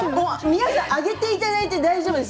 皆さん上げていただいて大丈夫です。